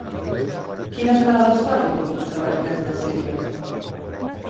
Quines parades fa l'autobús que va a Artesa de Segre?